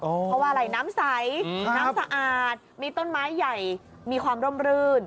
เพราะว่าอะไรน้ำใสน้ำสะอาดมีต้นไม้ใหญ่มีความร่มรื่น